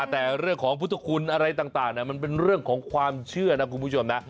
แต่เรื่องของพุทธคุณอะไรต่างมันเป็นเรื่องของความเชื่อนะคุณผู้ชมนะ